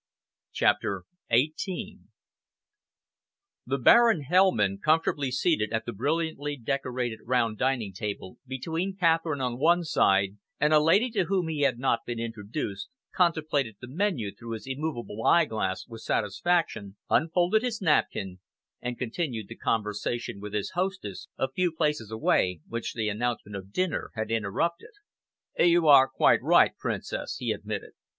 CHAPTER XVIII The Baron Hellman, comfortably seated at the brilliantly decorated round dining table, between Catherine, on one side, and a lady to whom he had not been introduced, contemplated the menu through his immovable eyeglass with satisfaction, unfolded his napkin, and continued the conversation with his hostess, a few places away, which the announcement of dinner had interrupted. "You are quite right, Princess," he admitted.